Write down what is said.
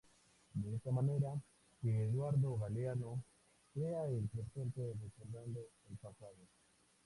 Es de esta manera que Eduardo Galeano crea el presente, recordando el pasado.